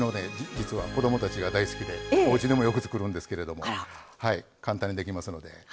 実は子どもたちが大好きでおうちでもよく作るんですけれども簡単にできますので。